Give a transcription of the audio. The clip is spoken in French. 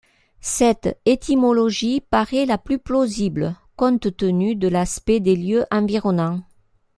Cette étymologie paraît la plus plausible compte tenu de l'aspect des lieux environnants.